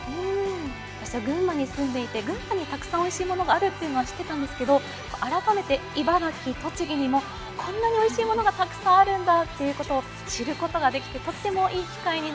私は群馬に住んでいて群馬にたくさんおいしいものがあるっていうのは知ってたんですけど改めて茨城栃木にもこんなにおいしいものがたくさんあるんだっていうことを知ることができてとってもいい機会になりました。